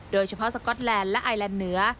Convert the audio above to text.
โดยเฉพาะสก๊อตแลนด์และไอแลนด์เหนือ